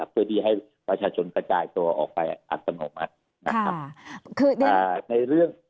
เพื่อที่ให้ประชาชนกระจายตัวออกไปอัตโนมัตินะครับ